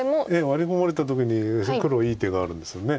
ワリ込まれた時に黒いい手があるんですよね。